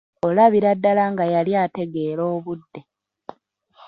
Olabira ddala nga yali ategeera obudde.